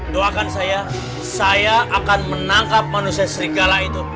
doakan saya saya akan menangkap manusia serigala itu